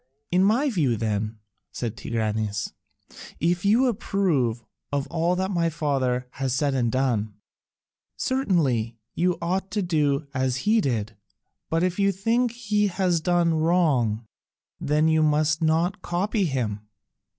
"In my view, then," said Tigranes, "if you approve of all that my father has said and done, certainly you ought to do as he did, but if you think he has done wrong, then you must not copy him."